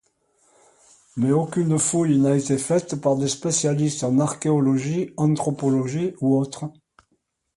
Mais aucune fouille n'a été faite par des spécialistes en archéologie, anthropologie ou autres...